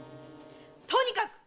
・とにかくっ！